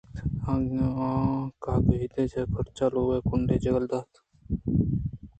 کاگدءُکرّاچاں لوگ ءِ کُنڈے چگل دنت